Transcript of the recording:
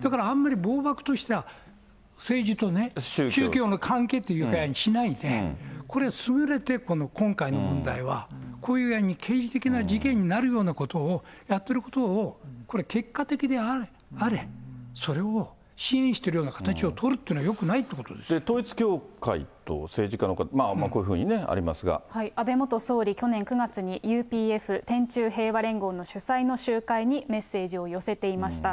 だからあんまりぼう漠とした政治と宗教の関係っていう具合にしないで、これはすぐれて今回の問題は、こういう具合に刑事的な事件になるようなことをやっていることを結果的であれ、それを支援しているような形を取るというのはよくないっていうこ統一教会と政治家の方、まあ安倍元総理、去年９月に、ＵＰＦ・天宙平和連合の主催の集会にメッセージを寄せていました。